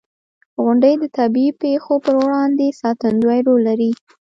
• غونډۍ د طبعي پېښو پر وړاندې ساتندوی رول لري.